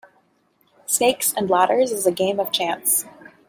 Snakes and ladders is a game of chance.